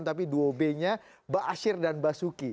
tapi dua b nya ba asyir dan basuki